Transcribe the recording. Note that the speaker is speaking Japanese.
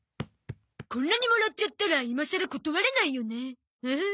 こんなにもらっちゃったら今さら断れないよね。